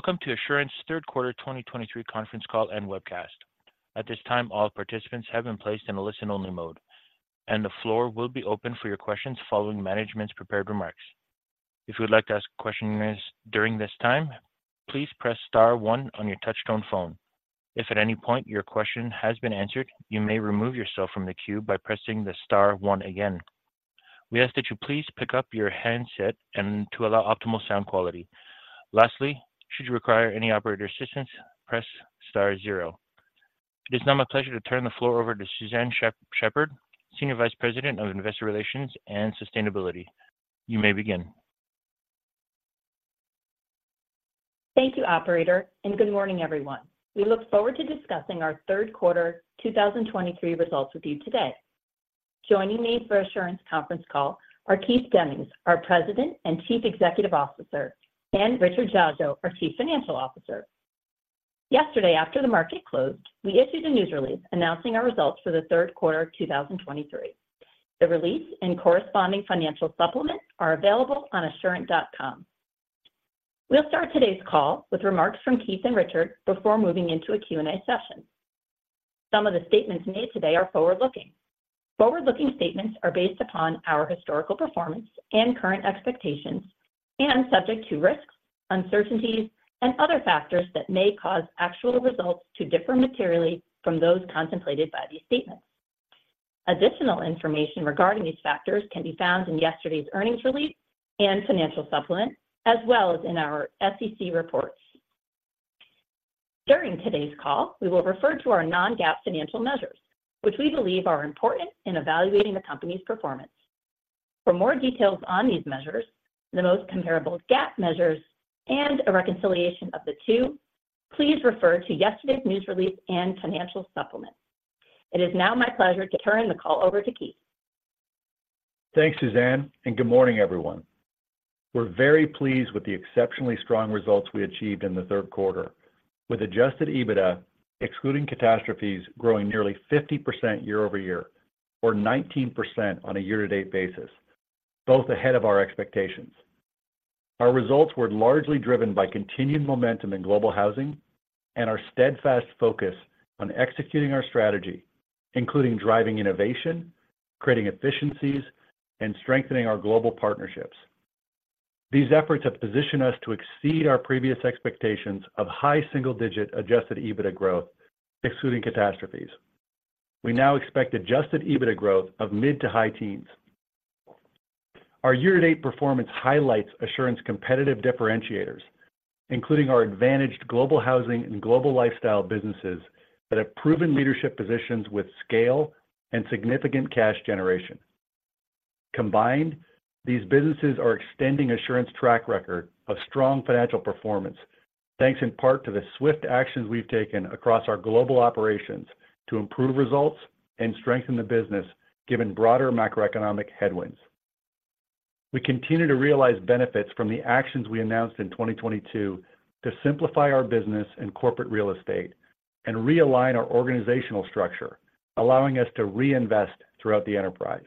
Welcome to Assurant's Q3 2023 conference call and webcast. At this time, all participants have been placed in a listen-only mode, and the floor will be open for your questions following management's prepared remarks. If you would like to ask questions during this time, please press star one on your touchtone phone. If at any point your question has been answered, you may remove yourself from the queue by pressing the star one again. We ask that you please pick up your handset and to allow optimal sound quality. Lastly, should you require any operator assistance, press star zero. It is now my pleasure to turn the floor over to Suzanne Shepherd, Senior Vice President of Investor Relations and Sustainability. You may begin. Thank you, operator, and good morning, everyone. We look forward to discussing our Q3 2023 results with you today. Joining me for Assurant's conference call are Keith Demmings, our President and Chief Executive Officer, and Richard Dziadzio, our Chief Financial Officer. Yesterday, after the market closed, we issued a news release announcing our results for the Q3 of 2023. The release and corresponding financial supplement are available on assurant.com. We'll start today's call with remarks from Keith and Richard before moving into a Q&A session. Some of the statements made today are forward-looking. Forward-looking statements are based upon our historical performance and current expectations and subject to risks, uncertainties, and other factors that may cause actual results to differ materially from those contemplated by these statements. Additional information regarding these factors can be found in yesterday's earnings release and financial supplement, as well as in our SEC reports. During today's call, we will refer to our non-GAAP financial measures, which we believe are important in evaluating the company's performance. For more details on these measures, the most comparable GAAP measures, and a reconciliation of the two, please refer to yesterday's news release and financial supplement. It is now my pleasure to turn the call over to Keith. Thanks, Suzanne, and good morning, everyone. We're very pleased with the exceptionally strong results we achieved in the Q3, with Adjusted EBITDA, excluding catastrophes, growing nearly 50% year-over-year or 19% on a year-to-date basis, both ahead of our expectations. Our results were largely driven by continued momentum in Global Housing and our steadfast focus on executing our strategy, including driving innovation, creating efficiencies, and strengthening our global partnerships. These efforts have positioned us to exceed our previous expectations of high single-digit Adjusted EBITDA growth, excluding catastrophes. We now expect Adjusted EBITDA growth of mid-to-high teens. Our year-to-date performance highlights Assurant's competitive differentiators, including our advantaged Global Housing and Global Lifestyle businesses that have proven leadership positions with scale and significant cash generation. Combined, these businesses are extending Assurant's track record of strong financial performance, thanks in part to the swift actions we've taken across our global operations to improve results and strengthen the business, given broader macroeconomic headwinds. We continue to realize benefits from the actions we announced in 2022 to simplify our business in Corporate real estate and realign our organizational structure, allowing us to reinvest throughout the enterprise.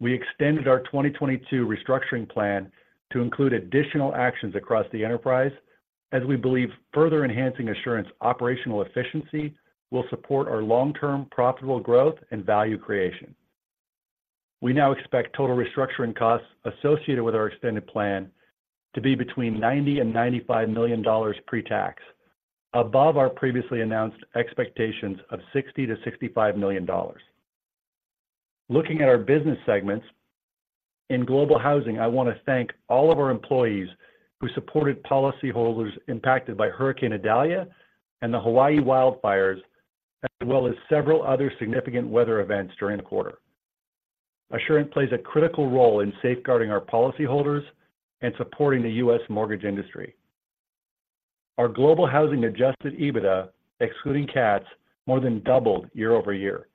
We extended our 2022 restructuring plan to include additional actions across the enterprise, as we believe further enhancing Assurant's operational efficiency will support our long-term profitable growth and value creation. We now expect total restructuring costs associated with our extended plan to be between $90 million and $95 million pre-tax, above our previously announced expectations of $60 million-$65 million. Looking at our business segments, in Global Housing, I want to thank all of our employees who supported policyholders impacted by Hurricane Idalia and the Hawaii wildfires, as well as several other significant weather events during the quarter. Assurant plays a critical role in safeguarding our policyholders and supporting the U.S. mortgage industry. Our Global Housing adjusted EBITDA, excluding cats, more than doubled year-over-year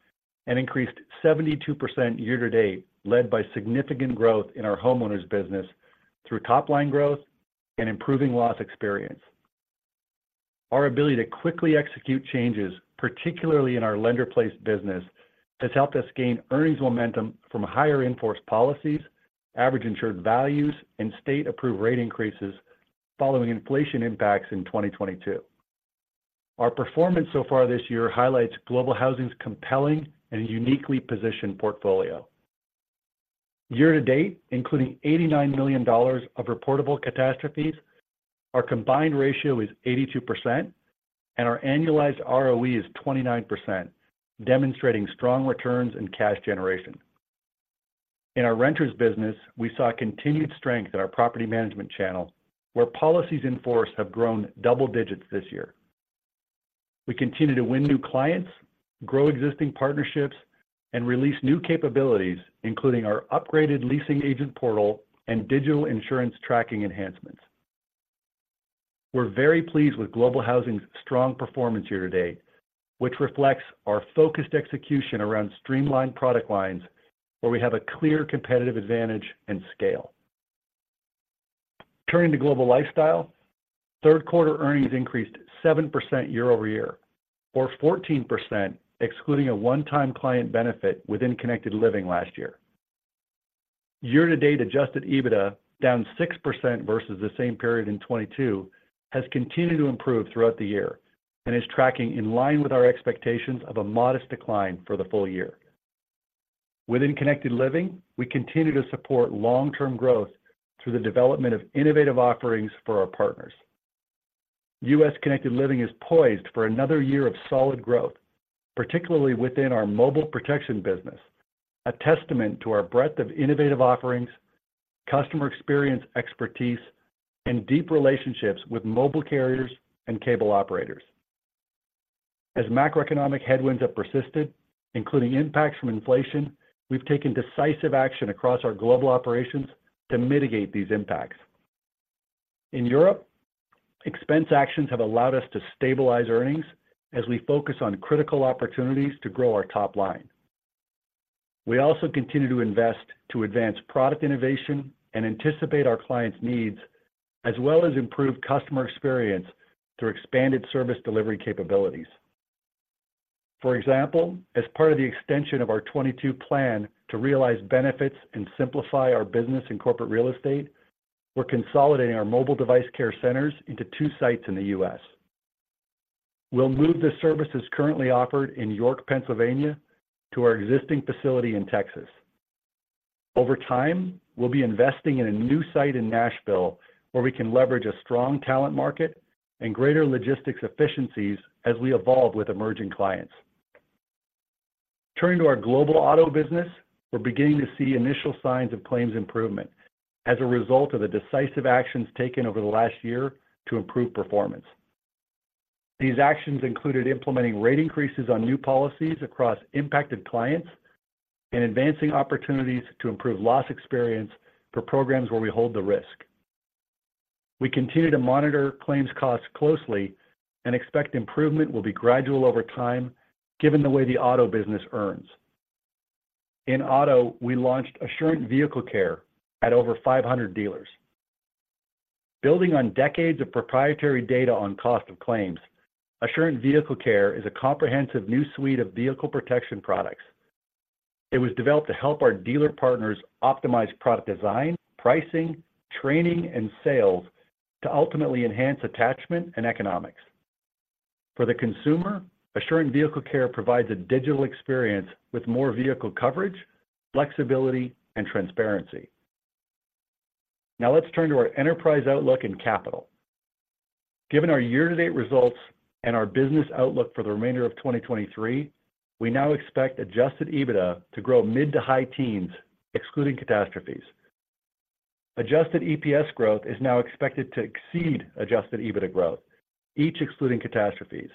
and increased 72% year to date, led by significant growth in our homeowners business through top-line growth and improving loss experience. Our ability to quickly execute changes, particularly in our lender-placed business, has helped us gain earnings momentum from higher in-force policies, average insured values, and state-approved rate increases following inflation impacts in 2022. Our performance so far this year highlights Global Housing's compelling and uniquely positioned portfolio. Year to date, including $89 million of reportable catastrophes, our combined ratio is 82%, and our annualized ROE is 29%, demonstrating strong returns and cash generation. In our renters business, we saw continued strength in our property management channel, where policies in force have grown double digits this year. We continue to win new clients, grow existing partnerships, and release new capabilities, including our upgraded leasing agent portal and digital insurance tracking enhancements. We're very pleased with Global Housing's strong performance year to date, which reflects our focused execution around streamlined product lines, where we have a clear competitive advantage and scale. Turning to Global Lifestyle, Q3 earnings increased 7% year-over-year or 14%, excluding a one-time client benefit within Connected Living last year. Year-to-date Adjusted EBITDA, down 6% versus the same period in 2022, has continued to improve throughout the year and is tracking in line with our expectations of a modest decline for the full year. Within Connected Living, we continue to support long-term growth through the development of innovative offerings for our partners. U.S. Connected Living is poised for another year of solid growth, particularly within our mobile protection business, a testament to our breadth of innovative offerings, customer experience expertise, and deep relationships with mobile carriers and cable operators. As macroeconomic headwinds have persisted, including impacts from inflation, we've taken decisive action across our global operations to mitigate these impacts. In Europe, expense actions have allowed us to stabilize earnings as we focus on critical opportunities to grow our top line. We also continue to invest to advance product innovation and anticipate our clients' needs, as well as improve customer experience through expanded service delivery capabilities. For example, as part of the extension of our 2022 plan to realize benefits and simplify our business in Corporate real estate, we're consolidating our mobile device care centers into 2 sites in the U.S. We'll move the services currently offered in York, Pennsylvania, to our existing facility in Texas. Over time, we'll be investing in a new site in Nashville, where we can leverage a strong talent market and greater logistics efficiencies as we evolve with emerging clients. Turning to our Global Auto business, we're beginning to see initial signs of claims improvement as a result of the decisive actions taken over the last year to improve performance. These actions included implementing rate increases on new policies across impacted clients and advancing opportunities to improve loss experience for programs where we hold the risk. We continue to monitor claims costs closely and expect improvement will be gradual over time, given the way the auto business earns. In auto, we launched Assurant Vehicle Care at over 500 dealers. Building on decades of proprietary data on cost of claims, Assurant Vehicle Care is a comprehensive new suite of vehicle protection products. It was developed to help our dealer partners optimize product design, pricing, training, and sales to ultimately enhance attachment and economics. For the consumer, Assurant Vehicle Care provides a digital experience with more vehicle coverage, flexibility, and transparency. Now let's turn to our enterprise outlook and capital. Given our year-to-date results and our business outlook for the remainder of 2023, we now expect adjusted EBITDA to grow mid-to-high teens, excluding catastrophes. Adjusted EPS growth is now expected to exceed adjusted EBITDA growth, each excluding catastrophes.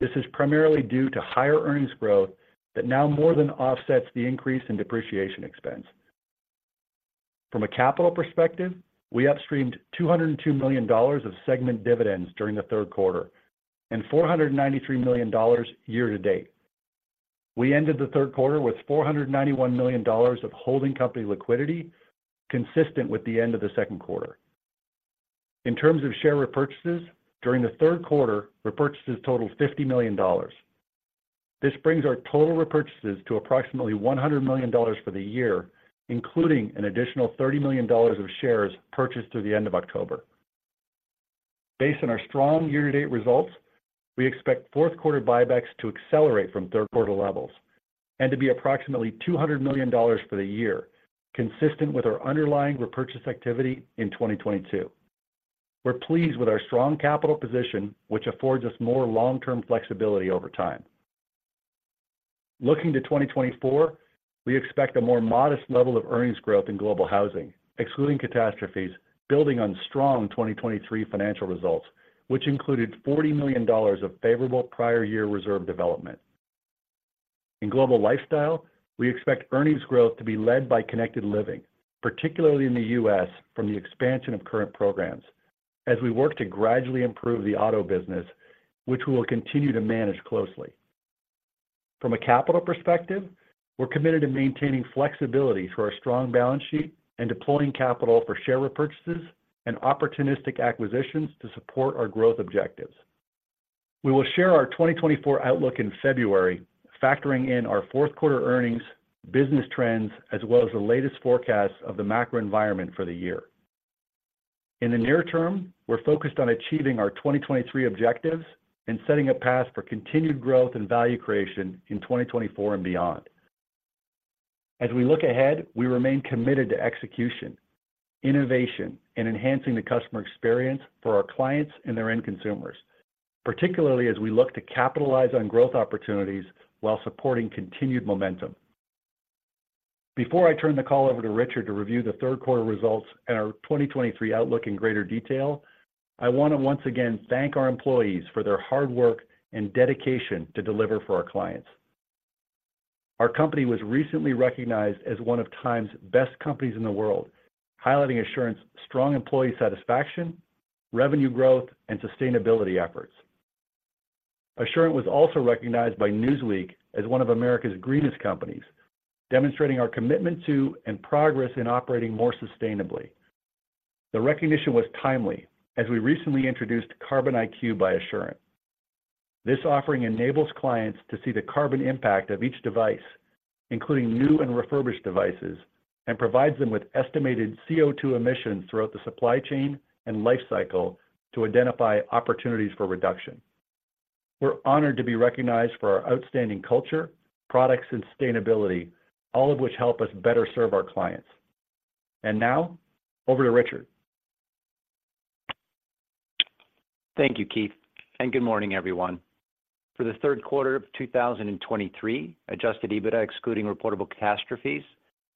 This is primarily due to higher earnings growth that now more than offsets the increase in depreciation expense. From a capital perspective, we upstreamed $202 million of segment dividends during the Q3, and $493 million year-to-date. We ended the Q3 with $491 million of holding company liquidity, consistent with the end of the Q2. In terms of share repurchases, during the Q3, repurchases totaled $50 million. This brings our total repurchases to approximately $100 million for the year, including an additional $30 million of shares purchased through the end of October. Based on our strong year-to-date results, we expect Q4 buybacks to accelerate from Q3 levels and to be approximately $200 million for the year, consistent with our underlying repurchase activity in 2022. We're pleased with our strong capital position, which affords us more long-term flexibility over time. Looking to 2024, we expect a more modest level of earnings growth in Global Housing, excluding catastrophes, building on strong 2023 financial results, which included $40 million of favorable prior year reserve development. In Global Lifestyle, we expect earnings growth to be led by Connected Living, particularly in the U.S., from the expansion of current programs as we work to gradually improve the auto business, which we will continue to manage closely. From a capital perspective, we're committed to maintaining flexibility through our strong balance sheet and deploying capital for share repurchases and opportunistic acquisitions to support our growth objectives. We will share our 2024 outlook in February, factoring in our Q4 earnings, business trends, as well as the latest forecasts of the macro environment for the year. In the near term, we're focused on achieving our 2023 objectives and setting a path for continued growth and value creation in 2024 and beyond. As we look ahead, we remain committed to execution, innovation, and enhancing the customer experience for our clients and their end consumers, particularly as we look to capitalize on growth opportunities while supporting continued momentum. Before I turn the call over to Richard to review the Q3 results and our 2023 outlook in greater detail, I want to once again thank our employees for their hard work and dedication to deliver for our clients. Our company was recently recognized as one of Time's Best Companies in the World, highlighting Assurant's strong employee satisfaction, revenue growth, and sustainability efforts. Assurant was also recognized by Newsweek as one of America's Greenest Companies, demonstrating our commitment to and progress in operating more sustainably. The recognition was timely, as we recently introduced Carbon IQ by Assurant. This offering enables clients to see the carbon impact of each device, including new and refurbished devices, and provides them with estimated CO₂ emissions throughout the supply chain and life cycle to identify opportunities for reduction. We're honored to be recognized for our outstanding culture, products, and sustainability, all of which help us better serve our clients. Now, over to Richard. Thank you, Keith, and good morning, everyone. For the Q3 of 2023, Adjusted EBITDA, excluding reportable catastrophes,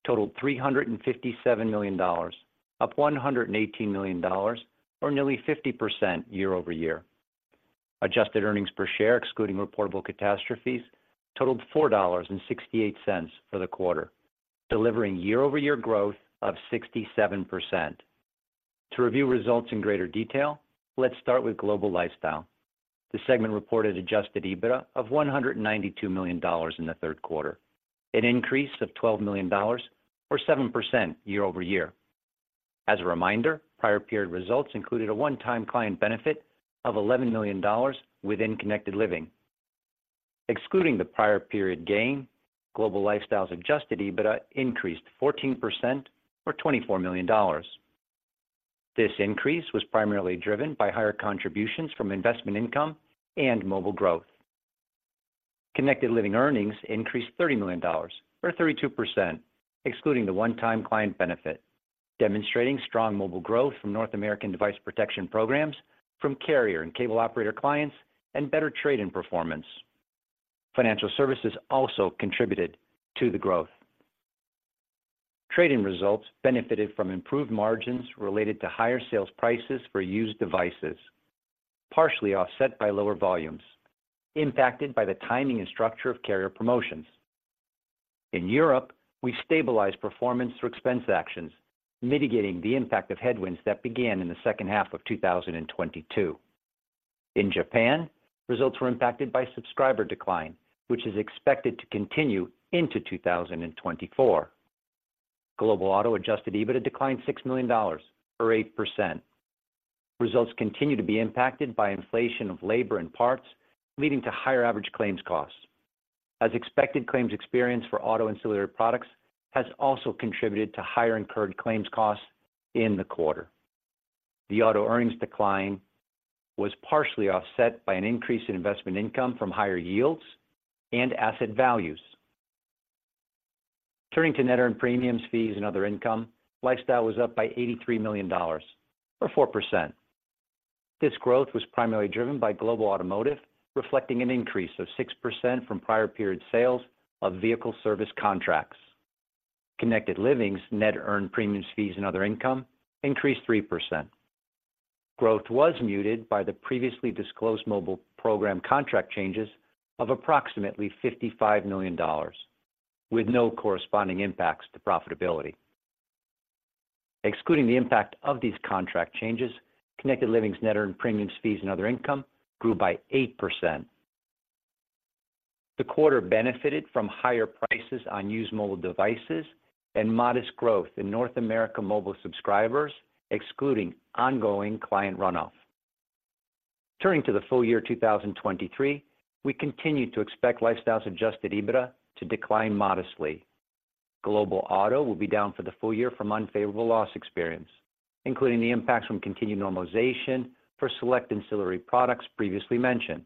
totaled $357 million, up $118 million or nearly 50% year-over-year. Adjusted earnings per share, excluding reportable catastrophes, totaled $4.68 for the quarter, delivering year-over-year growth of 67%. To review results in greater detail, let's start with Global Lifestyle. The segment reported Adjusted EBITDA of $192 million in the Q3, an increase of $12 million or 7% year-over-year. As a reminder, prior period results included a one-time client benefit of $11 million within Connected Living. Excluding the prior period gain, Global Lifestyle's Adjusted EBITDA increased 14% or $24 million. This increase was primarily driven by higher contributions from investment income and mobile growth. Connected Living earnings increased $30 million or 32%, excluding the one-time client benefit, demonstrating strong mobile growth from North American Device Protection Programs from carrier and cable operator clients and better trade-in performance. Financial services also contributed to the growth. Trade-in results benefited from improved margins related to higher sales prices for used devices, partially offset by lower volumes, impacted by the timing and structure of carrier promotions. In Europe, we stabilized performance through expense actions, mitigating the impact of headwinds that began in the second half of 2022. In Japan, results were impacted by subscriber decline, which is expected to continue into 2024. Global Auto Adjusted EBITDA declined $6 million or 8%. Results continue to be impacted by inflation of labor and parts, leading to higher average claims costs. As expected, claims experience for auto ancillary products has also contributed to higher incurred claims costs in the quarter. The auto earnings decline was partially offset by an increase in investment income from higher yields and asset values. Turning to net earned premiums, fees, and other income, Lifestyle was up by $83 million, or 4%. This growth was primarily driven by Global Automotive, reflecting an increase of 6% from prior period sales of vehicle service contracts. Connected Living's net earned premiums, fees, and other income increased 3%. Growth was muted by the previously disclosed mobile program contract changes of approximately $55 million, with no corresponding impacts to profitability. Excluding the impact of these contract changes, Connected Living's net earned premiums, fees, and other income grew by 8%. The quarter benefited from higher prices on used mobile devices and modest growth in North America mobile subscribers, excluding ongoing client runoff. Turning to the full year 2023, we continue to expect Lifestyle's Adjusted EBITDA to decline modestly. Global Auto will be down for the full year from unfavorable loss experience, including the impacts from continued normalization for select ancillary products previously mentioned.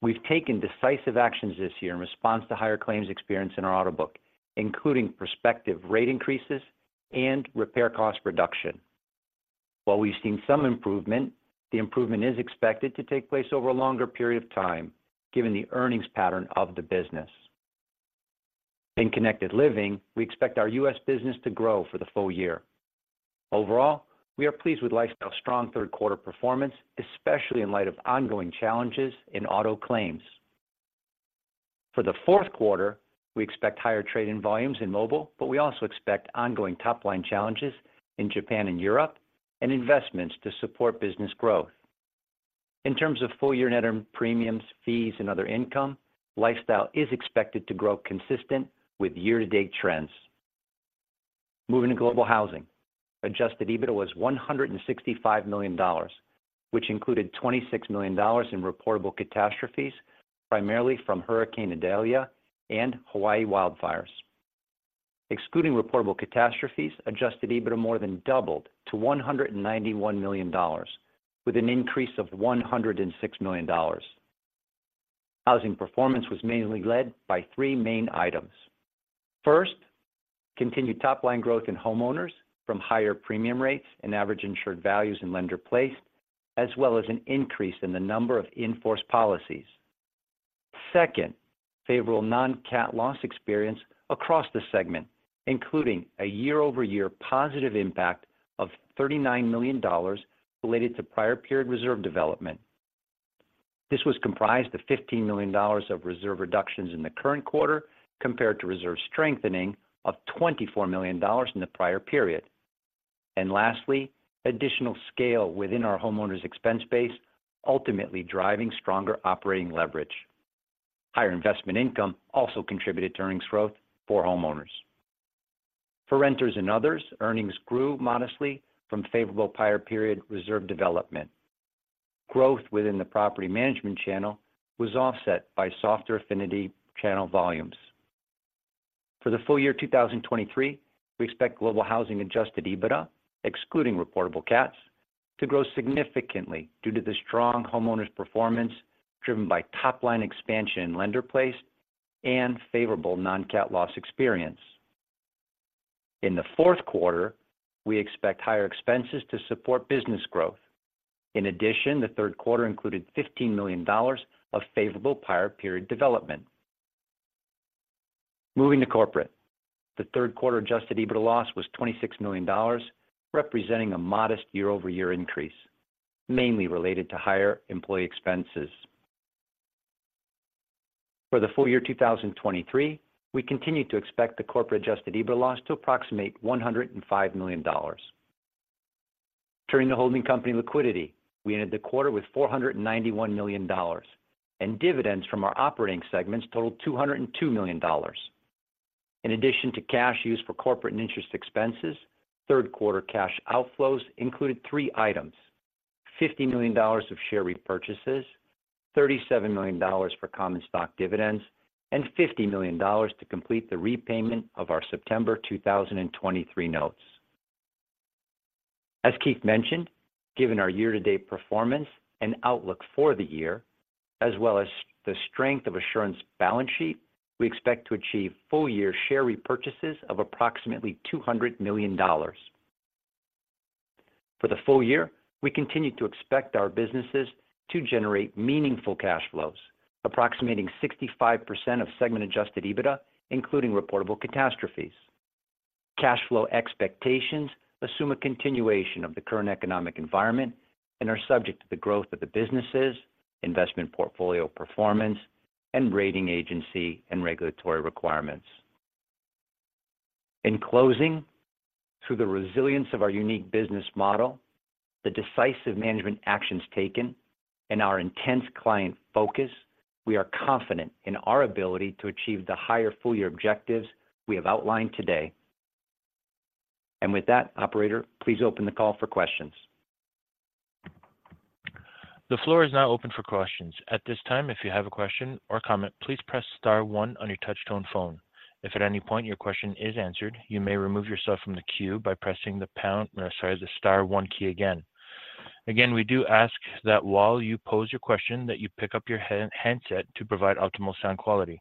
We've taken decisive actions this year in response to higher claims experience in our auto book, including prospective rate increases and repair cost reduction. While we've seen some improvement, the improvement is expected to take place over a longer period of time, given the earnings pattern of the business. In Connected Living, we expect our U.S. business to grow for the full year. Overall, we are pleased with Lifestyle's strong Q3 performance, especially in light of ongoing challenges in auto claims. For the Q4, we expect higher trade-in volumes in mobile, but we also expect ongoing top-line challenges in Japan and Europe, and investments to support business growth. In terms of full year net earned premiums, fees, and other income, Lifestyle is expected to grow consistent with year-to-date trends. Moving to Global Housing, adjusted EBITDA was $165 million, which included $26 million in reportable catastrophes, primarily from Hurricane Idalia and Hawaii wildfires. Excluding reportable catastrophes, adjusted EBITDA more than doubled to $191 million, with an increase of $106 million. Housing performance was mainly led by three main items. First, continued top-line growth in homeowners from higher premium rates and average insured values in lender-placed, as well as an increase in the number of in-force policies. Second, favorable non-CAT loss experience across the segment, including a year-over-year positive impact of $39 million related to prior period reserve development. This was comprised of $15 million of reserve reductions in the current quarter, compared to reserve strengthening of $24 million in the prior period. And lastly, additional scale within our homeowners' expense base, ultimately driving stronger operating leverage. Higher investment income also contributed to earnings growth for homeowners. For renters and others, earnings grew modestly from favorable prior period reserve development. Growth within the property management channel was offset by softer affinity channel volumes. For the full year 2023, we expect Global Housing Adjusted EBITDA, excluding reportable cats, to grow significantly due to the strong homeowners' performance, driven by top-line expansion in lender-placed and favorable non-cat loss experience. In the Q4, we expect higher expenses to support business growth. In addition, the Q3 included $15 million of favorable prior period development. Moving to Corporate, the Q3 Adjusted EBITDA loss was $26 million, representing a modest year-over-year increase, mainly related to higher employee expenses. For the full year 2023, we continue to expect the Corporate Adjusted EBITDA loss to approximate $105 million. Turning to holding company liquidity, we ended the quarter with $491 million, and dividends from our operating segments totaled $202 million. In addition to cash used for Corporate and interest expenses, Q3 cash outflows included three items: $50 million of share repurchases, $37 million for common stock dividends, and $50 million to complete the repayment of our September 2023 notes. As Keith mentioned, given our year-to-date performance and outlook for the year, as well as the strength of Assurant's balance sheet, we expect to achieve full-year share repurchases of approximately $200 million. For the full year, we continue to expect our businesses to generate meaningful cash flows, approximating 65% of segment adjusted EBITDA, including reportable catastrophes. Cash flow expectations assume a continuation of the current economic environment and are subject to the growth of the businesses, investment portfolio performance, and rating agency and regulatory requirements. In closing, through the resilience of our unique business model, the decisive management actions taken, and our intense client focus, we are confident in our ability to achieve the higher full-year objectives we have outlined today. And with that, operator, please open the call for questions. The floor is now open for questions. At this time, if you have a question or comment, please press star one on your touch-tone phone. If at any point your question is answered, you may remove yourself from the queue by pressing the pound, the star one key again. Again, we do ask that while you pose your question, that you pick up your handset to provide optimal sound quality.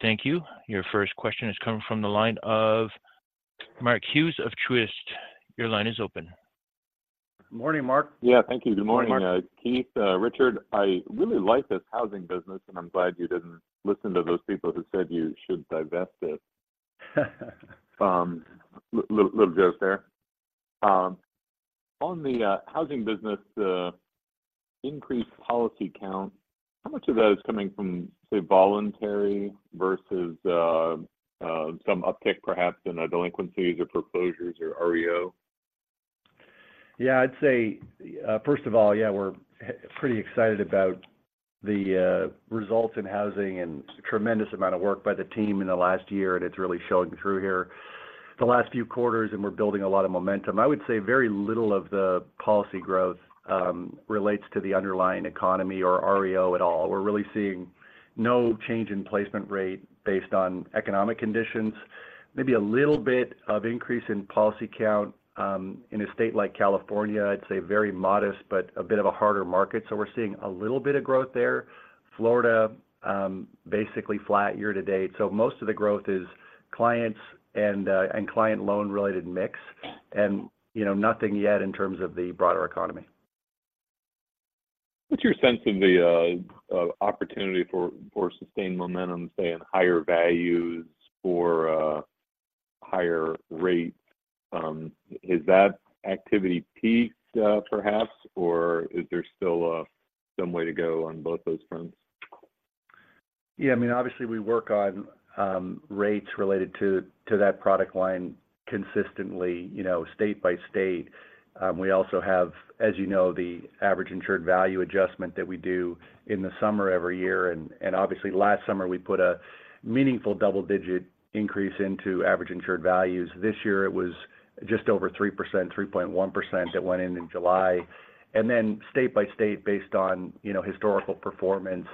Thank you. Your first question is coming from the line of Mark Hughes of Truist. Your line is open. Morning, Mark. Yeah, thank you. Good morning. Hi, Mark Keith, Richard, I really like this housing business, and I'm glad you didn't listen to those people who said you should divest it. Little joke there. On the housing business, increased policy count, how much of that is coming from, say, voluntary versus some uptick, perhaps, in delinquencies or foreclosures or REO? Yeah, I'd say, first of all, yeah, we're pretty excited about the results in housing and tremendous amount of work by the team in the last year, and it's really showing through here the last few quarters, and we're building a lot of momentum. I would say very little of the policy growth relates to the underlying economy or REO at all. We're really seeing no change in placement rate based on economic conditions. Maybe a little bit of increase in policy count in a state like California, I'd say very modest, but a bit of a harder market. So we're seeing a little bit of growth there. Florida, basically flat year to date. So most of the growth is clients and client loan-related mix, and, you know, nothing yet in terms of the broader economy. What's your sense of the opportunity for sustained momentum, say, in higher values for higher rates? Has that activity peaked, perhaps, or is there still some way to go on both those fronts? Yeah, I mean, obviously, we work on rates related to that product line consistently, you know, state by state. We also have, as you know, the average insured value adjustment that we do in the summer every year. And obviously, last summer, we put a meaningful double-digit increase into average insured values. This year, it was just over 3%, 3.1%, that went in in July. And then state by state, based on, you know, historical performance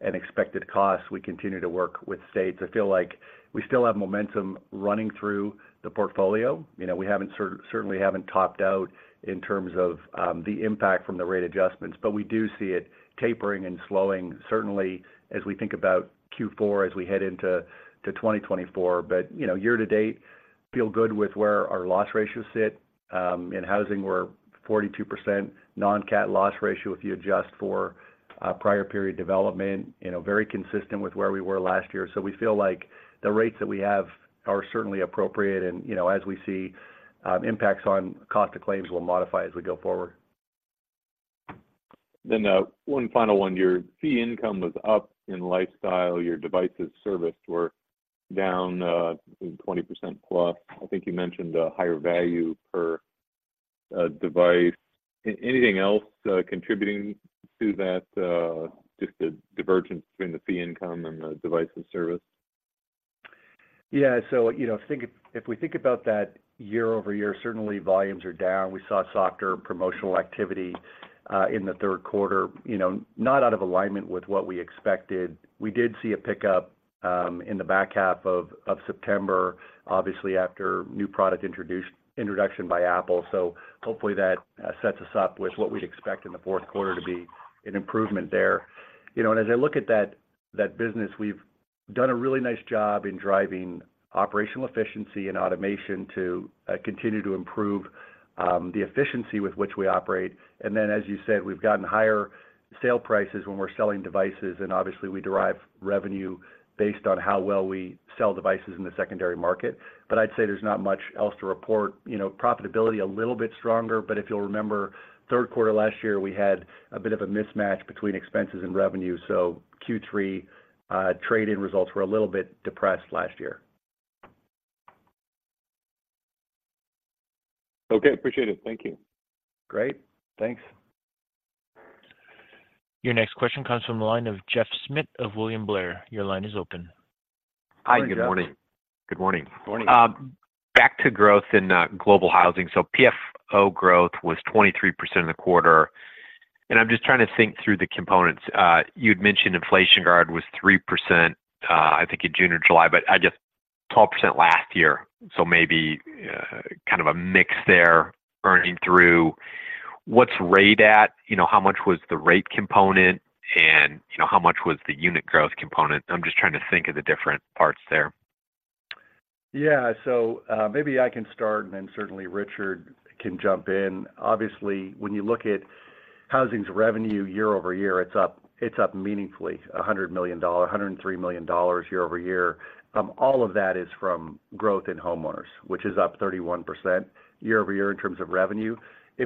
and expected costs, we continue to work with states. I feel like we still have momentum running through the portfolio. You know, we haven't certainly haven't topped out in terms of the impact from the rate adjustments, but we do see it tapering and slowing, certainly as we think about Q4, as we head into 2024. You know, year to date, feel good with where our loss ratios sit. In housing, we're 42% non-cat loss ratio, if you adjust for prior year development. You know, very consistent with where we were last year. So we feel like the rates that we have are certainly appropriate, and, you know, as we see impacts on cost of claims, we'll modify as we go forward. Then, one final one. Your fee income was up in Lifestyle. Your devices serviced were down 20%+. I think you mentioned a higher value per device. Anything else contributing to that, just the divergence between the fee income and the device and service? Yeah. So, you know, if we think about that year-over-year, certainly volumes are down. We saw softer promotional activity in the Q3, you know, not out of alignment with what we expected. We did see a pickup in the back half of September, obviously, after new product introduction by Apple. So hopefully, that sets us up with what we'd expect in the Q4 to be an improvement there. You know, and as I look at that business, we've done a really nice job in driving operational efficiency and automation to continue to improve the efficiency with which we operate. And then, as you said, we've gotten higher sale prices when we're selling devices, and obviously, we derive revenue based on how well we sell devices in the secondary market. But I'd say there's not much else to report. You know, profitability, a little bit stronger, but if you'll remember, Q3 last year, we had a bit of a mismatch between expenses and revenue, so Q3, trade-in results were a little bit depressed last year. Okay, appreciate it. Thank you. Great. Thanks. Your next question comes from the line of Jeff Schmitt of William Blair. Your line is open. Hi, Jeff. Good morning. Good Morning. Back to growth in Global Housing. So PFO growth was 23% in the quarter, and I'm just trying to think through the components. You'd mentioned Inflation Guard was 3%, I think in June or July, but I guess 12% last year, so maybe kind of a mix there earning through. What's rate at? You know, how much was the rate component, and, you know, how much was the unit growth component? I'm just trying to think of the different parts there. Yeah. So, maybe I can start, and then certainly Richard can jump in. Obviously, when you look at Housing's revenue year-over-year, it's up, it's up meaningfully, $100 million, $103 million year-over-year. All of that is from growth in homeowners, which is up 31% year-over-year in terms of revenue. If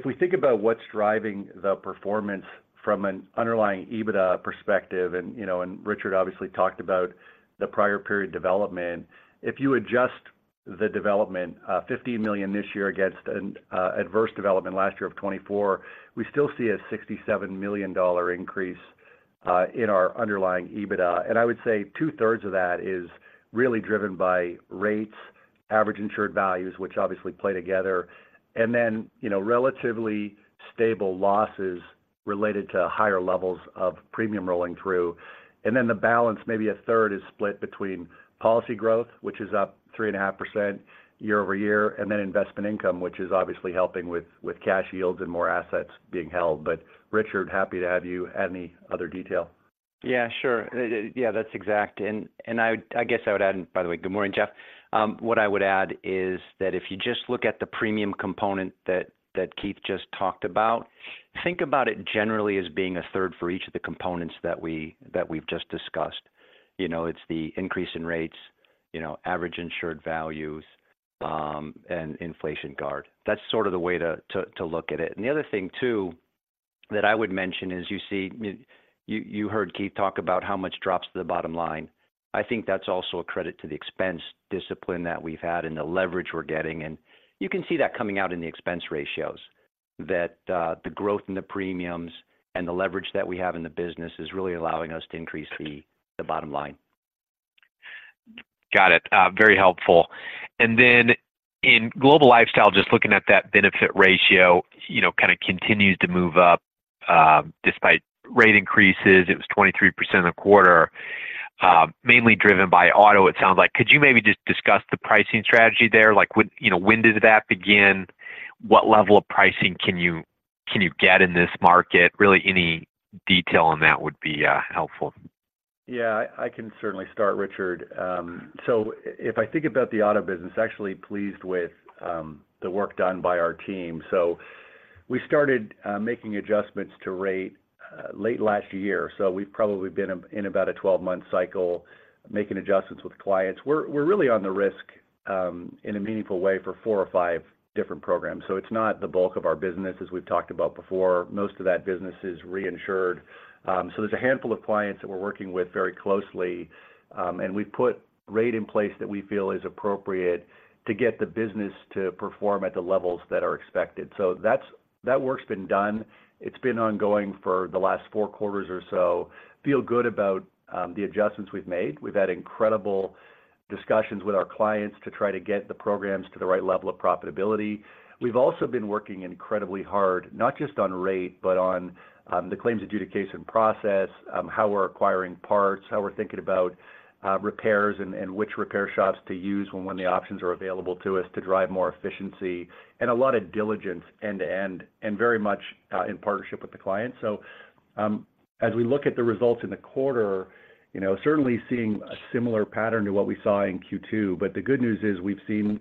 we think about what's driving the performance from an underlying EBITDA perspective, and, you know, and Richard obviously talked about the prior period development. If you adjust the development, $50 million this year against an adverse development last year of $24, we still see a $67 million increase in our underlying EBITDA. I would say two-thirds of that is really driven by rates, average insured values, which obviously play together, and then, you know, relatively stable losses related to higher levels of premium rolling through. And then the balance, maybe a third, is split between policy growth, which is up 3.5% year-over-year, and then investment income, which is obviously helping with cash yields and more assets being held. But Richard, happy to have you add any other detail? Yeah, sure. Yeah, that's exact. And I guess I would add. And by the way, good morning, Jeff. What I would add is that if you just look at the premium component that Keith just talked about, think about it generally as being a third for each of the components that we've just discussed. You know, it's the increase in rates, you know, average insured values, and Inflation Guard. That's sort of the way to look at it. And the other thing, too, that I would mention is, you see, you heard Keith talk about how much drops to the bottom line. I think that's also a credit to the expense discipline that we've had and the leverage we're getting, and you can see that coming out in the expense ratios. That the growth in the premiums and the leverage that we have in the business is really allowing us to increase the bottom line. Got it. Very helpful. And then in Global Lifestyle, just looking at that benefit ratio, you know, kind of continues to move up, despite rate increases. It was 23% a quarter, mainly driven by Auto, it sounds like. Could you maybe just discuss the pricing strategy there? Like, when, you know, when did that begin? What level of pricing can you, can you get in this market? Really, any detail on that would be helpful. Yeah, I can certainly start, Richard. So if I think about the auto business, actually pleased with the work done by our team. So we started making adjustments to rate late last year, so we've probably been in about a 12-month cycle, making adjustments with clients. We're really on the risk in a meaningful way for 4 or 5 different programs, so it's not the bulk of our business, as we've talked about before. Most of that business is reinsured. So there's a handful of clients that we're working with very closely, and we've put rate in place that we feel is appropriate to get the business to perform at the levels that are expected. So that's that work's been done. It's been ongoing for the last four quarters or so. Feel good about the adjustments we've made. We've had incredible discussions with our clients to try to get the programs to the right level of profitability. We've also been working incredibly hard, not just on rate, but on the claims adjudication process, how we're acquiring parts, how we're thinking about repairs and which repair shops to use when the options are available to us to drive more efficiency, and a lot of diligence end-to-end, and very much in partnership with the client. So, as we look at the results in the quarter, you know, certainly seeing a similar pattern to what we saw in Q2, but the good news is, we've seen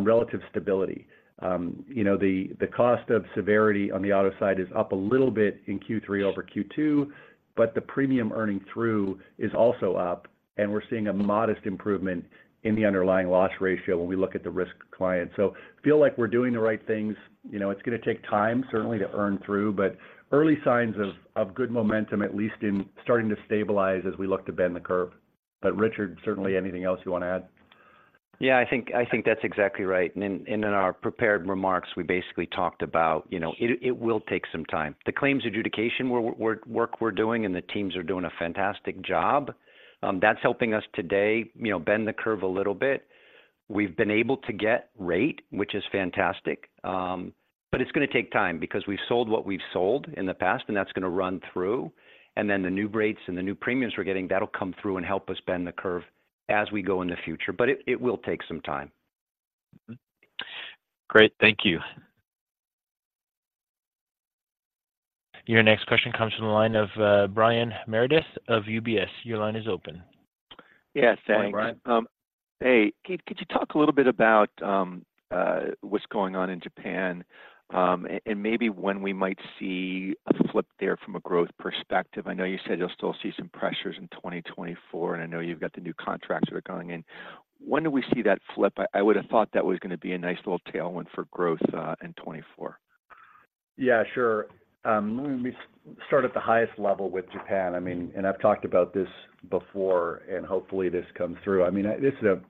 relative stability. You know, the cost of severity on the auto side is up a little bit in Q3 over Q2, but the premium earning through is also up, and we're seeing a modest improvement in the underlying loss ratio when we look at the risk client. So feel like we're doing the right things. You know, it's gonna take time, certainly, to earn through, but early signs of good momentum, at least in starting to stabilize as we look to bend the curve. But Richard, certainly anything else you want to add? Yeah, I think, I think that's exactly right. And in, and in our prepared remarks, we basically talked about, you know, it, it will take some time. The claims adjudication work we're doing, and the teams are doing a fantastic job, that's helping us today, you know, bend the curve a little bit. We've been able to get rate, which is fantastic, but it's gonna take time because we've sold what we've sold in the past, and that's gonna run through, and then the new rates and the new premiums we're getting, that'll come through and help us bend the curve as we go in the future. But it, it will take some time. Great. Thank you. Your next question comes from the line of Brian Meredith of UBS. Your line is open. Yes, thanks. Hi, Brian. Hey, could you talk a little bit about what's going on in Japan, and maybe when we might see a flip there from a growth perspective? I know you said you'll still see some pressures in 2024, and I know you've got the new contracts that are going in. When do we see that flip? I would've thought that was gonna be a nice little tailwind for growth in 2024. Yeah, sure. Let me start at the highest level with Japan. I mean, and I've talked about this before, and hopefully this comes through. I mean, this is a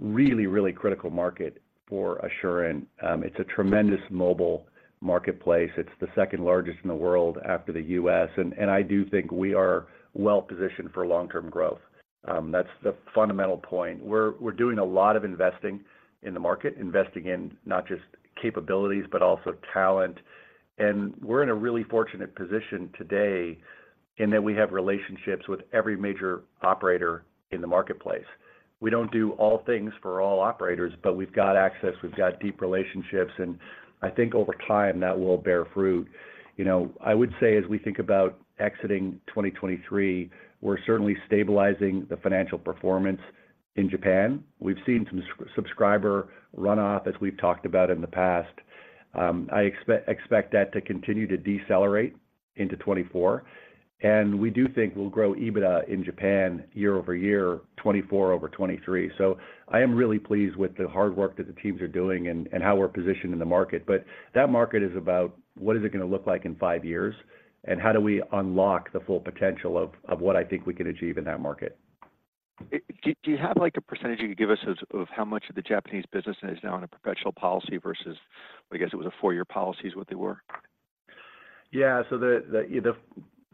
really, really critical market for Assurant. It's a tremendous mobile marketplace. It's the second largest in the world after the U.S., and, and I do think we are well positioned for long-term growth. That's the fundamental point. We're, we're doing a lot of investing in the market, investing in not just capabilities, but also talent. And we're in a really fortunate position today in that we have relationships with every major operator in the marketplace. We don't do all things for all operators, but we've got access, we've got deep relationships, and I think over time, that will bear fruit. You know, I would say, as we think about exiting 2023, we're certainly stabilizing the financial performance in Japan. We've seen some subscriber runoff, as we've talked about in the past. I expect that to continue to decelerate into 2024, and we do think we'll grow EBITDA in Japan year-over-year, 2024 over 2023. So I am really pleased with the hard work that the teams are doing and how we're positioned in the market. But that market is about what is it gonna look like in five years, and how do we unlock the full potential of what I think we can achieve in that market? Do you have, like, a percentage you could give us of how much of the Japanese business is now on a perpetual policy versus, I guess, it was a four-year policy is what they were? Yeah. So the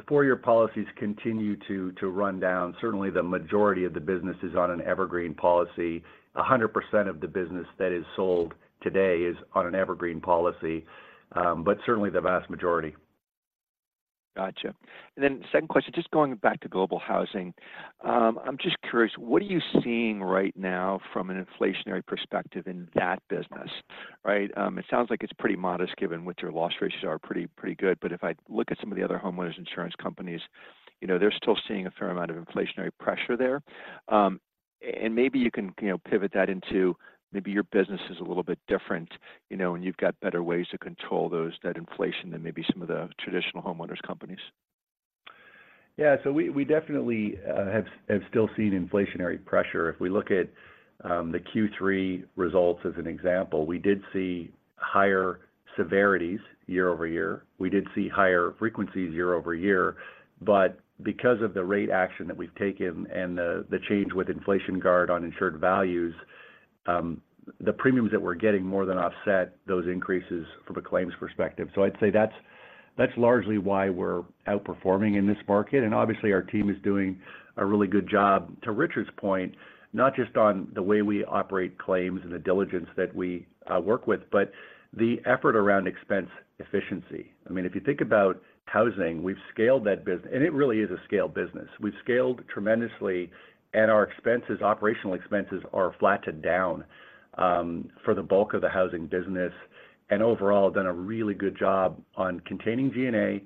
four-year policies continue to run down. Certainly, the majority of the business is on an evergreen policy. 100% of the business that is sold today is on an evergreen policy, but certainly the vast majority. Gotcha. And then second question, just going back to Global Housing. I'm just curious, what are you seeing right now from an inflationary perspective in that business, right? It sounds like it's pretty modest, given what your loss ratios are pretty, pretty good. But if I look at some of the other homeowners' insurance companies, you know, they're still seeing a fair amount of inflationary pressure there. And maybe you can, you know, pivot that into maybe your business is a little bit different, you know, and you've got better ways to control that inflation than maybe some of the traditional homeowners companies. Yeah. So we definitely have still seen inflationary pressure. If we look at the Q3 results as an example, we did see higher severities year-over-year. We did see higher frequencies year-over-year. But because of the rate action that we've taken and the change with Inflation Guard on insured values, the premiums that we're getting more than offset those increases from a claims perspective. So I'd say that's largely why we're outperforming in this market, and obviously, our team is doing a really good job, to Richard's point, not just on the way we operate claims and the diligence that we work with, but the effort around expense efficiency. I mean, if you think about housing, we've scaled that bus- and it really is a scaled business. We've scaled tremendously, and our expenses, operational expenses, are flat to down, for the bulk of the housing business, and overall, done a really good job on containing G&A,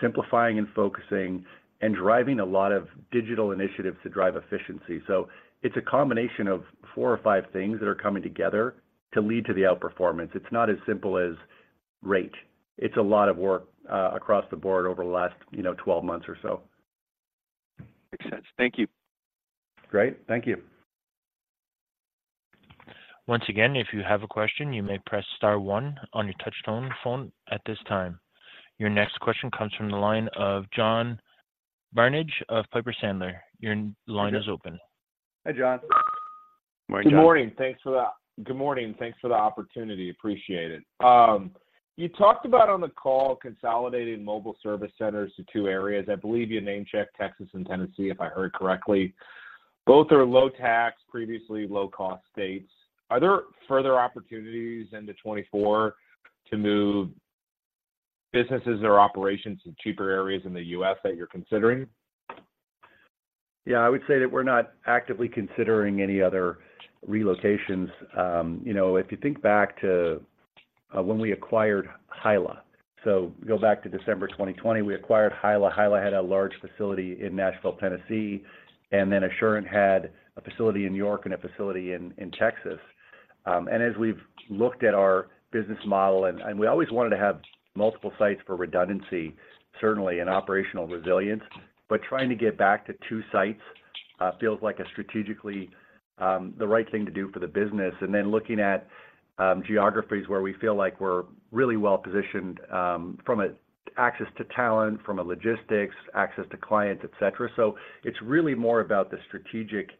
simplifying and focusing, and driving a lot of digital initiatives to drive efficiency. So it's a combination of four or five things that are coming together to lead to the outperformance. It's not as simple as rate. It's a lot of work, across the board over the last, you know, twelve months or so. Makes sense. Thank you. Great. Thank you. Once again, if you have a question, you may press star one on your touchtone phone at this time. Your next question comes from the line of John Barnidge of Piper Sandler. Your line is open. Hi, John Good morning. Good morning. Thanks for the good morning, thanks for the opportunity. Appreciate it. You talked about on the call, consolidating mobile service centers to two areas. I believe you name-checked Texas and Tennessee, if I heard correctly. Both are low tax, previously low-cost states. Are there further opportunities into 2024 to move businesses or operations to cheaper areas in the US that you're considering? Yeah, I would say that we're not actively considering any other relocations. You know, if you think back to when we acquired Hyla. So go back to December 2020, we acquired Hyla. Hyla had a large facility in Nashville, Tennessee, and then Assurant had a facility in New York and a facility in Texas. And as we've looked at our business model, and we always wanted to have multiple sites for redundancy, certainly, and operational resilience, but trying to get back to two sites feels like a strategically the right thing to do for the business. And then looking at geographies where we feel like we're really well positioned from access to talent from logistics, access to clients, et cetera. So it's really more about the strategic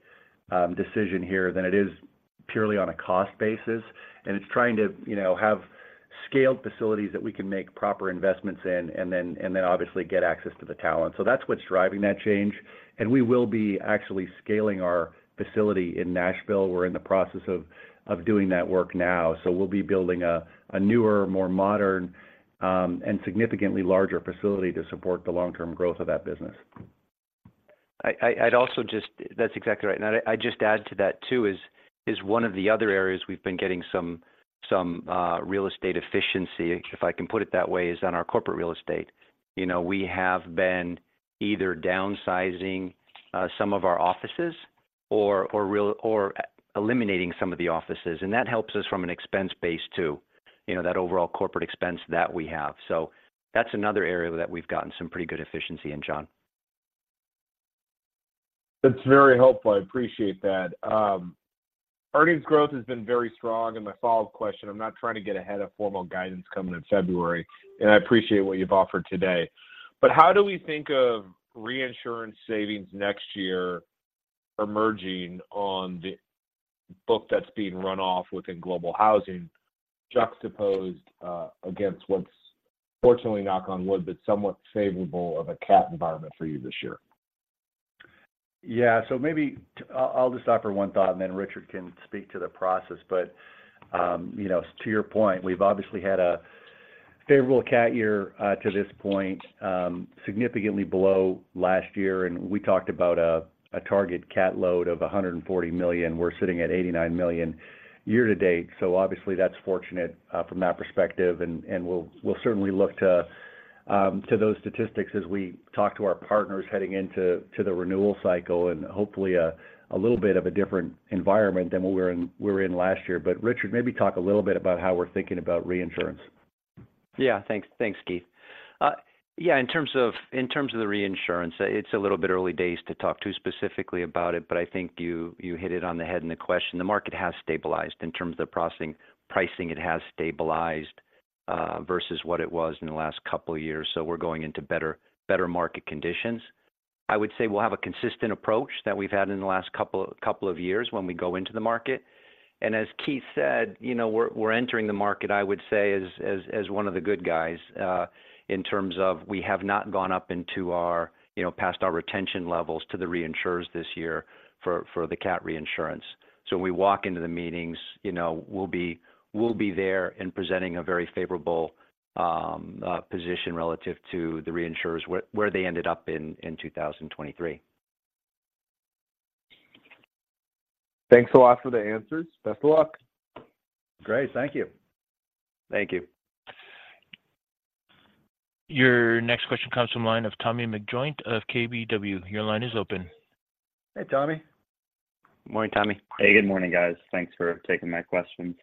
decision here than it is purely on a cost basis. And it's trying to, you know, have scaled facilities that we can make proper investments in, and then obviously get access to the talent. So that's what's driving that change. And we will be actually scaling our facility in Nashville. We're in the process of doing that work now. So we'll be building a newer, more modern, and significantly larger facility to support the long-term growth of that business. I'd also just. That's exactly right. And I'd just add to that, too, is one of the other areas we've been getting some real estate efficiency, if I can put it that way, is on our Corporate real estate. You know, we have been either downsizing some of our offices or eliminating some of the offices, and that helps us from an expense base, too. You know, that overall Corporate expense that we have. So that's another area that we've gotten some pretty good efficiency in, John. That's very helpful. I appreciate that. Earnings growth has been very strong, and my follow-up question, I'm not trying to get ahead of formal guidance coming in February, and I appreciate what you've offered today. But how do we think of reinsurance savings next year emerging on the book that's being run off within Global Housing, juxtaposed against what's, fortunately, knock on wood, but somewhat favorable of a cat environment for you this year? Yeah. So maybe I, I'll just offer one thought, and then Richard can speak to the process. But, you know, to your point, we've obviously had a favorable cat year, to this point, significantly below last year, and we talked about a target cat load of $140 million. We're sitting at $89 million year to date, so obviously, that's fortunate, from that perspective, and we'll certainly look to those statistics as we talk to our partners heading into the renewal cycle, and hopefully, a little bit of a different environment than what we were in last year. But, Richard, maybe talk a little bit about how we're thinking about reinsurance. Yeah, thanks. Thanks, Keith. Yeah, in terms of the reinsurance, it's a little bit early days to talk too specifically about it, but I think you hit it on the head in the question. The market has stabilized. In terms of the processing-pricing, it has stabilized versus what it was in the last couple of years, so we're going into better market conditions. I would say we'll have a consistent approach that we've had in the last couple of years when we go into the market. And as Keith said, you know, we're entering the market, I would say, as one of the good guys in terms of we have not gone up into our, you know, past our retention levels to the reinsurers this year for the cat reinsurance. When we walk into the meetings, you know, we'll be there and presenting a very favorable position relative to the reinsurers, where they ended up in 2023. Thanks a lot for the answers. Best of luck. Great. Thank you. Thank you. Your next question comes from line of Tommy McJoynt of KBW. Your line is open. Hey, Tommy. Morning, Tommy. Hey, good morning, guys. Thanks for taking my questions.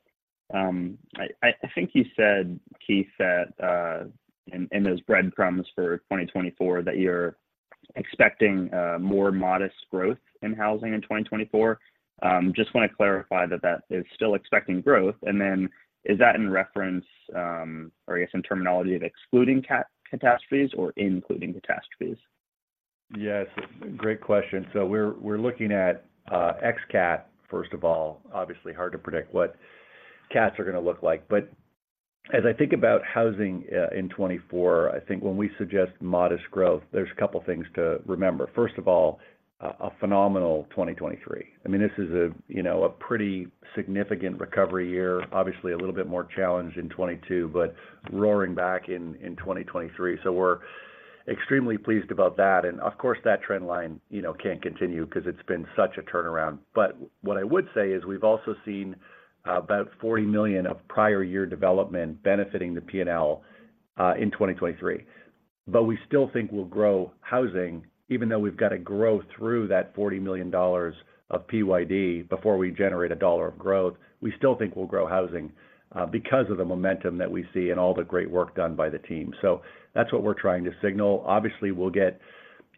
I think you said, Keith, that in those breadcrumbs for 2024, that you're expecting more modest growth in housing in 2024. Just want to clarify that that is still expecting growth, and then is that in reference or I guess, in terminology of excluding catastrophes or including catastrophes? Yes, great question. So we're looking at ex cat, first of all. Obviously, hard to predict what cats are going to look like. But as I think about housing in 2024, I think when we suggest modest growth, there's a couple things to remember. First of all, a phenomenal 2023. I mean, this is a, you know, a pretty significant recovery year. Obviously, a little bit more challenged in 2022, but roaring back in 2023. So we're extremely pleased about that. And of course, that trend line, you know, can't continue because it's been such a turnaround. But what I would say is we've also seen about $40 million of prior year development benefiting the P&L in 2023. But we still think we'll grow housing, even though we've got to grow through that $40 million of PYD before we generate a dollar of growth, we still think we'll grow housing, because of the momentum that we see and all the great work done by the team. So that's what we're trying to signal. Obviously, we'll get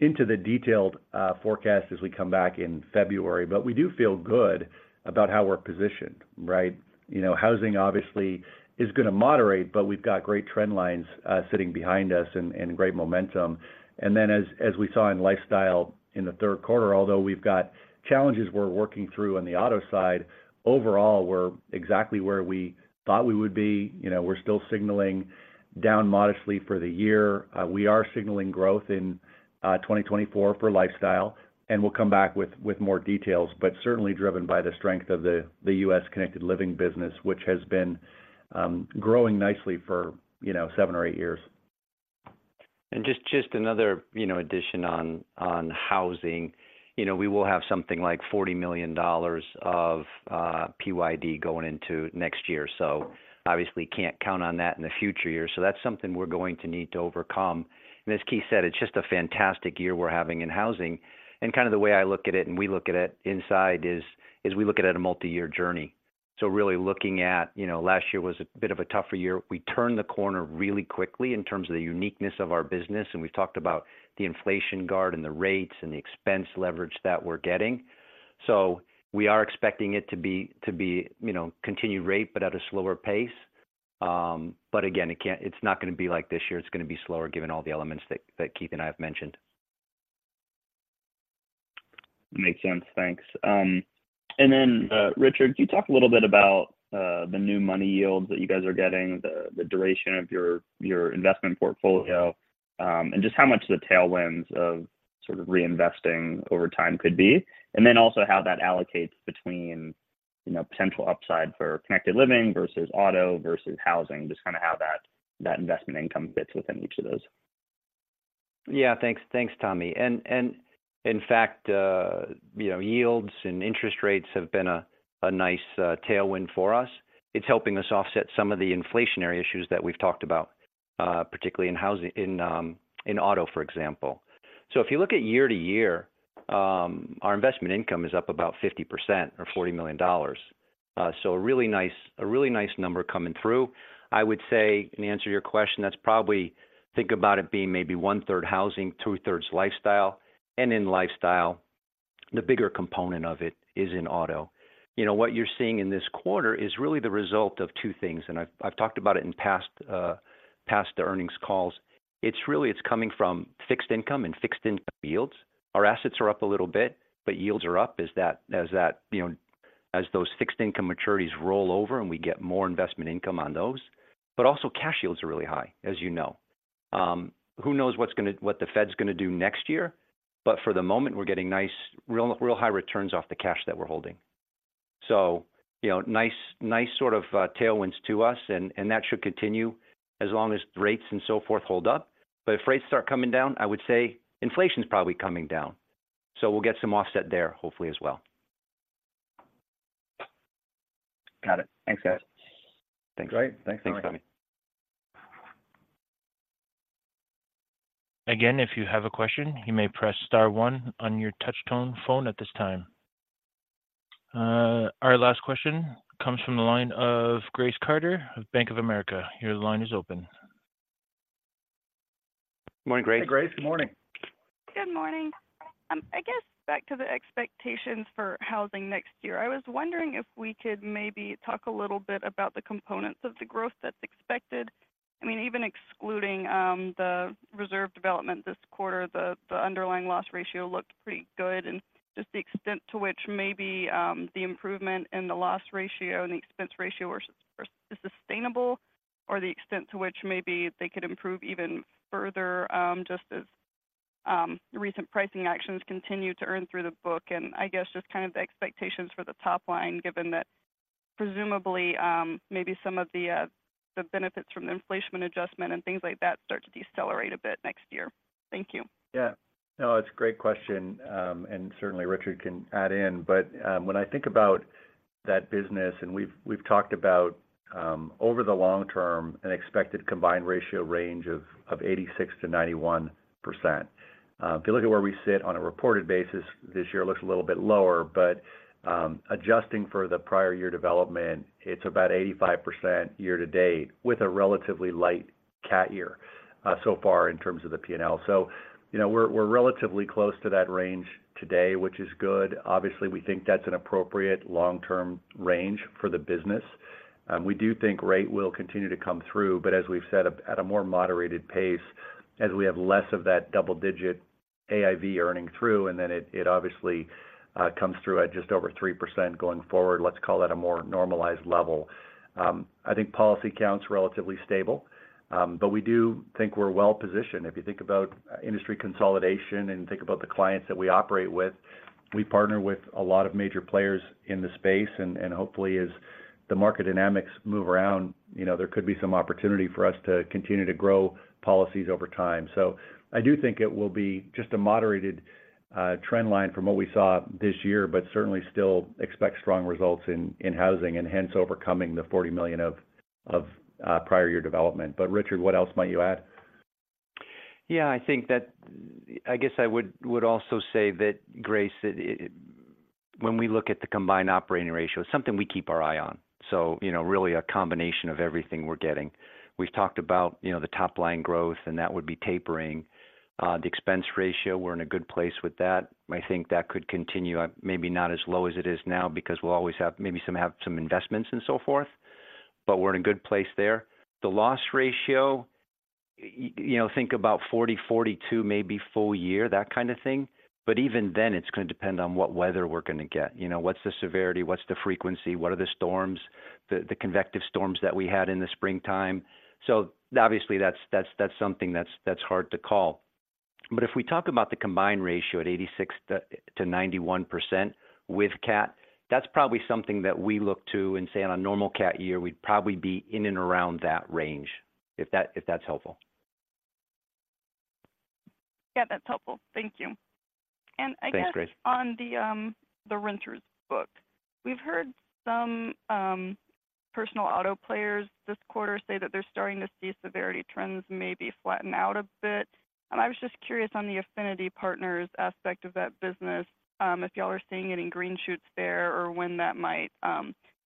into the detailed forecast as we come back in February, but we do feel good about how we're positioned, right? You know, housing obviously is going to moderate, but we've got great trend lines sitting behind us and great momentum. And then as we saw in lifestyle in the Q3, although we've got challenges we're working through on the auto side, overall, we're exactly where we thought we would be. You know, we're still signaling down modestly for the year. We are signaling growth in 2024 for Lifestyle, and we'll come back with more details, but certainly driven by the strength of the U.S. Connected Living business, which has been growing nicely for, you know, 7 or 8 years. And just another, you know, addition on housing. You know, we will have something like $40 million of PYD going into next year, so obviously can't count on that in the future years. So that's something we're going to need to overcome. And as Keith said, it's just a fantastic year we're having in housing. And kind of the way I look at it and we look at it inside is we look at it as a multi-year journey. So really looking at, you know, last year was a bit of a tougher year. We turned the corner really quickly in terms of the uniqueness of our business, and we've talked about the Inflation Guard and the rates and the expense leverage that we're getting. So we are expecting it to be, you know, continued rate, but at a slower pace. But again, it can't. It's not gonna be like this year. It's gonna be slower, given all the elements that Keith and I have mentioned. Makes sense. Thanks. And then, Richard, could you talk a little bit about the new money yields that you guys are getting, the duration of your investment portfolio, and just how much the tailwinds of sort of reinvesting over time could be? And then also how that allocates between, you know, potential upside for Connected Living versus Auto versus Housing, just kinda how that investment income fits within each of those. Yeah, thanks. Thanks, Tommy. And in fact, you know, yields and interest rates have been a nice tailwind for us. It's helping us offset some of the inflationary issues that we've talked about, particularly in housing- in, in auto, for example. So if you look at year-to-year, our investment income is up about 50% or $40 million. So a really nice, a really nice number coming through. I would say, in answer to your question, that's probably, think about it being maybe one-third housing, two-thirds lifestyle, and in lifestyle, the bigger component of it is in auto. You know, what you're seeing in this quarter is really the result of two things, and I've talked about it in past earnings calls. It's really- it's coming from fixed income and fixed income yields. Our assets are up a little bit, but yields are up, you know, as those fixed income maturities roll over, and we get more investment income on those. But also, cash yields are really high, as you know. Who knows what the Fed's gonna do next year, but for the moment, we're getting nice, real, real high returns off the cash that we're holding. So, you know, nice, nice sort of tailwinds to us, and, and that should continue as long as rates and so forth hold up. But if rates start coming down, I would say inflation's probably coming down, so we'll get some offset there, hopefully, as well. Got it. Thanks, guys. Thanks. Great. Thanks, Tommy. Thanks, Tommy. Again, if you have a question, you may press star one on your touch tone phone at this time. Our last question comes from the line of Grace Carter of Bank of America. Your line is open. Morning, Grace. Hey, Grace, good morning. Good morning. I guess back to the expectations for housing next year. I was wondering if we could maybe talk a little bit about the components of the growth that's expected. I mean, even excluding the reserve development this quarter, the underlying loss ratio looked pretty good. And just the extent to which maybe the improvement in the loss ratio and the expense ratio are sustainable, or the extent to which maybe they could improve even further, just as recent pricing actions continue to earn through the book. And I guess, just kind of the expectations for the top line, given that presumably maybe some of the benefits from the inflation adjustment and things like that start to decelerate a bit next year. Thank you. Yeah. No, it's a great question, and certainly Richard can add in. But, when I think about that business, and we've, we've talked about, over the long term, an expected combined ratio range of 86%-91%. If you look at where we sit on a reported basis, this year looks a little bit lower, but, adjusting for the prior year development, it's about 85% year to date, with a relatively light cat year, so far in terms of the P&L. So, you know, we're, we're relatively close to that range today, which is good. Obviously, we think that's an appropriate long-term range for the business. We do think rate will continue to come through, but as we've said, at a more moderated pace, as we have less of that double-digit AIV earning through, and then it obviously comes through at just over 3% going forward. Let's call that a more normalized level. I think policy count's relatively stable, but we do think we're well-positioned. If you think about industry consolidation and think about the clients that we operate with, we partner with a lot of major players in the space, and hopefully, as the market dynamics move around, you know, there could be some opportunity for us to continue to grow policies over time. So I do think it will be just a moderated trend line from what we saw this year, but certainly still expect strong results in housing and hence overcoming the $40 million of prior year development. But Richard, what else might you add? Yeah, I think that I guess I would also say that, Grace, it when we look at the combined operating ratio, it's something we keep our eye on, so you know, really a combination of everything we're getting. We've talked about, you know, the top-line growth, and that would be tapering. The expense ratio, we're in a good place with that. I think that could continue, maybe not as low as it is now, because we'll always have maybe some investments and so forth, but we're in a good place there. The loss ratio, you know, think about 40, 42, maybe full year, that kind of thing, but even then, it's gonna depend on what weather we're gonna get. You know, what's the severity? What's the frequency? What are the storms, the convective storms that we had in the springtime? So obviously, that's something that's hard to call. But if we talk about the combined ratio at 86%-91% with cat, that's probably something that we look to and say on a normal cat year, we'd probably be in and around that range, if that's helpful. Yeah, that's helpful. Thank you. Thanks, Grace. I guess on the renters book, we've heard some personal auto players this quarter say that they're starting to see severity trends maybe flatten out a bit. And I was just curious on the affinity partners aspect of that business, if y'all are seeing any green shoots there, or when that might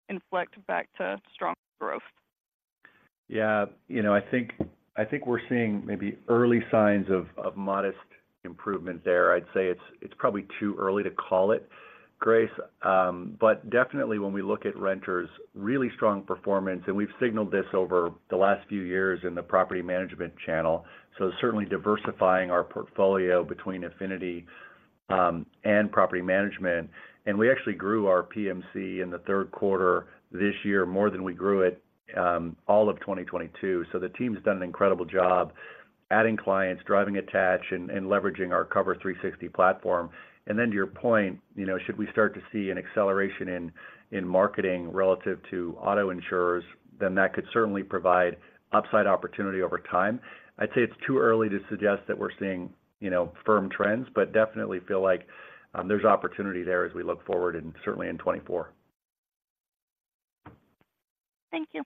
inflect back to strong growth? Yeah, you know, I think, I think we're seeing maybe early signs of modest improvement there. I'd say it's probably too early to call it, Grace, but definitely when we look at renters, really strong performance, and we've signaled this over the last few years in the property management channel, so certainly diversifying our portfolio between Affinity and property management. And we actually grew our PMC in the Q3 this year, more than we grew it all of 2022. So the team's done an incredible job adding clients, driving attach, and leveraging our Cover360 platform. And then to your point, you know, should we start to see an acceleration in marketing relative to auto insurers, then that could certainly provide upside opportunity over time. I'd say it's too early to suggest that we're seeing, you know, firm trends, but definitely feel like there's opportunity there as we look forward and certainly in 2024. Thank you.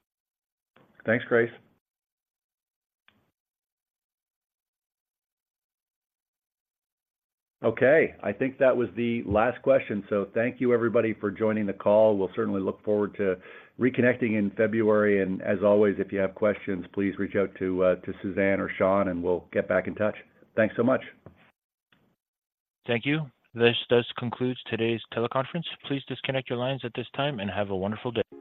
Thanks, Grace. Okay, I think that was the last question. So thank you everybody for joining the call. We'll certainly look forward to reconnecting in February, and as always, if you have questions, please reach out to Suzanne or Sean, and we'll get back in touch. Thanks so much. Thank you. This does conclude today's teleconference. Please disconnect your lines at this time, and have a wonderful day.